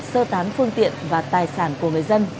sơ tán phương tiện và tài sản của người dân